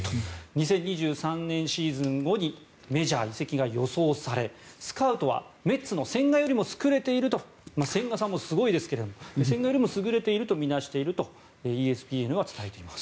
２０２３年シーズン後にメジャー移籍が予想されスカウトはメッツの千賀よりも優れていると千賀さんもすごいですが千賀よりも優れていると見なしているとＥＳＰＮは伝えています。